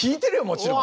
もちろん。